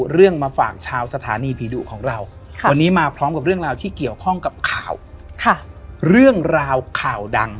เรื่องราวข่าวดัง